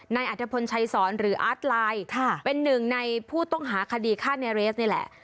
นายอัธพลชัยสอนหรืออาร์ตไลน์เป็นหนึ่งในผู้ต้องหาคดีฆ่าในเรสนี่แหละ